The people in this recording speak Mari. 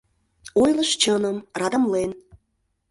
Ойлыш чыным, радамлен: